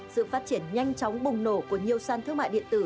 sự phát triển nhanh chóng bùng nổ của nhiều sàn thương mại điện tử